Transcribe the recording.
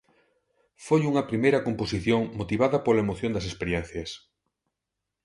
Foi unha primeira composición motivada pola emoción das experiencias.